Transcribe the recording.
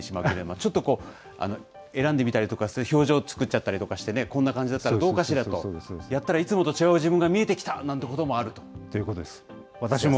ちょっとこう、選んでみたりとかして、表情作っちゃったりしてね、こんな感じだったらどうかしらとやったら、いつもと違う自分が見えてきたなんてこともあると思うということです。